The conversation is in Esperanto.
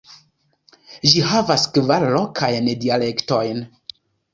Ĝi havas kvar lokajn dialektojn.